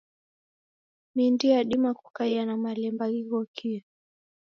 Midi yadima kukaia na malemba ghighokie.